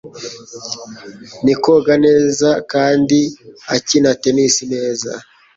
Ni koga neza kandi akina tennis neza.